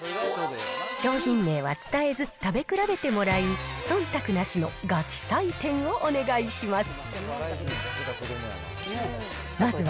商品名は伝えず、食べ比べてもらい、そんたくなしのガチ採点をお願いします。